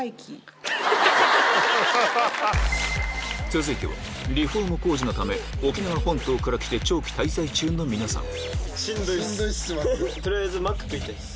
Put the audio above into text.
続いてはリフォーム工事のため沖縄本島から来て長期滞在中の皆さん